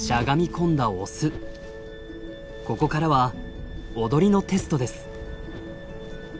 ここからは踊りのテストです。